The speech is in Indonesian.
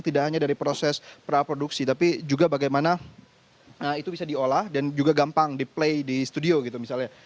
tidak hanya dari proses praproduksi tapi juga bagaimana itu bisa diolah dan juga gampang di play di studio gitu misalnya